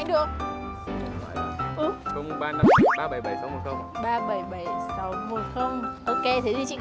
đúng nên là không nên chụp